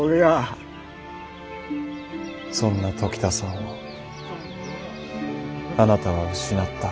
そんな時田さんをあなたは失った。